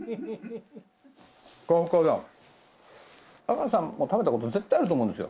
阿川さんも食べた事絶対あると思うんですよ。